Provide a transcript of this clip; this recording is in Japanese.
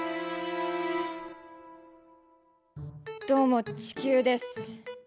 どうも地球です。